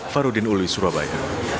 farudin uli surabaya